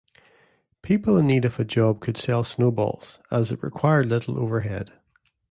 People in need of a job could sell snowballs, as it required little overhead.